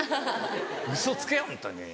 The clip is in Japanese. ウソつけホントに。